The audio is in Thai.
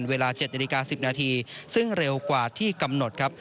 เวลา๗นาฬิกา๑๐นาทีซึ่งเร็วกว่าที่กำหนดครับ